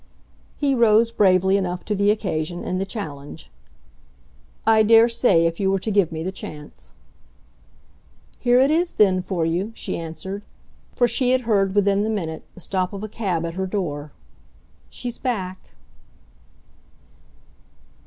He rose bravely enough to the occasion and the challenge. "I daresay, if you were to give me the chance." "Here it is then for you," she answered; for she had heard, within the minute, the stop of a cab at her door. "She's back."